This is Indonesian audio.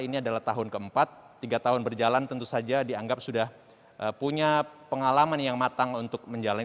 ini adalah tahun keempat tiga tahun berjalan tentu saja dianggap sudah punya pengalaman yang matang untuk menjalani